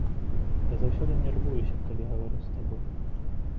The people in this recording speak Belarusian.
Я заўсёды нервуюся, калі гавару з табой.